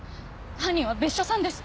犯人は別所さんです。